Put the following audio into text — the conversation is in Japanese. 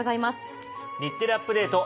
『日テレアップＤａｔｅ！』